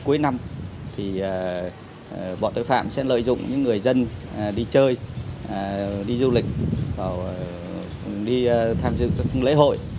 cuối năm thì bọn tội phạm sẽ lợi dụng những người dân đi chơi đi du lịch đi tham dự các lễ hội